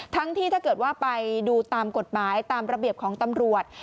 ที่ถ้าเกิดว่าไปดูตามกฎหมายตามระเบียบของตำรวจ